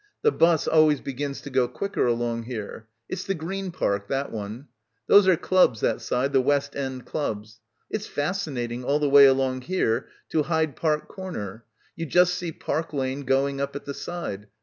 The bus always begins to go quicker along here. It's the Green Park, that one. Those are clubs that side, the West End clubs. It's fascinating all the way along here to Hyde Park Corner. You just see Park Lane going up at the side.